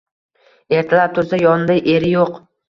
Ertalab tursa, yonida eri yo‘q.